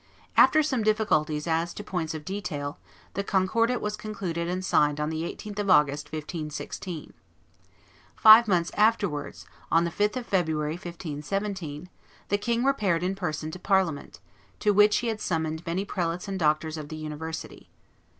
After some difficulties as to points of detail, the Concordat was concluded and signed on the 18th of August, 1516. Five months afterwards, on the 5th of February, 1517, the king repaired in person to Parliament, to which he had summoned many prelates and doctors of the University.